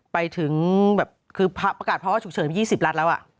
ไปถึงแบบคือประกาศภาวะฉุกเฉินไป๒๐รัฐแล้ว